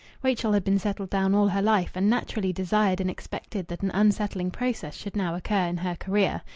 Rachel had been settled down all her life, and naturally desired and expected that an unsettling process should now occur in her career.